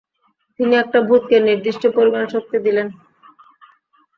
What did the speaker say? তিনি একটা ভূতকে নির্দিষ্ট পরিমাণ শক্তি দিলেন।